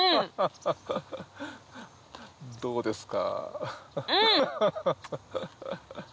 どうですか？